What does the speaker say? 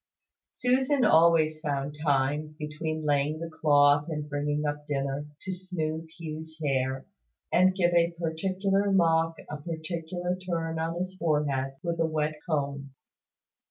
Susan always found time, between laying the cloth and bringing up dinner, to smooth Hugh's hair, and give a particular lock a particular turn on his forehead with a wet comb.